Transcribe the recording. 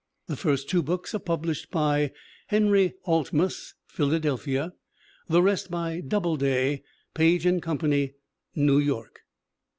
The first two books are published by Henry Alte mus, Philadelphia; the rest by Double day, Page & Company, New York.